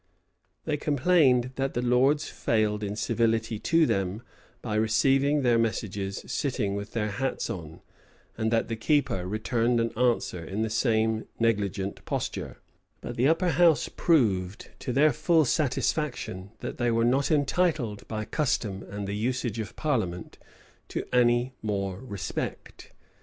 They complained, that the lords failed in civility to them, by receiving their messages sitting with their hats on; and that the keeper returned an answer in the same negligent posture: but the upper house proved, to their full satisfaction, that they were not entitled, by custom and the usage of parliament, to any more respect.